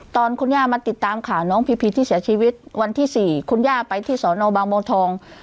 ตอนคุณย่ามาติดตามข่าวน้องพีพีที่เสียชีวิตวันที่๔คุณย่าไปที่สอนอบางบัวทอง